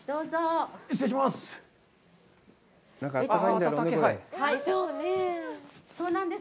失礼します。